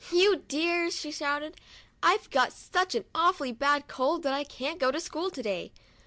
" You dears !" she shouted, " I've got such an awfully bad cold that I can't go to school to day.